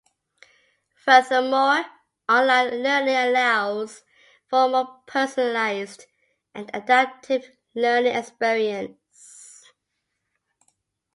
Furthermore, online learning allows for a more personalized and adaptive learning experience.